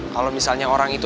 kalau misalnya orang itu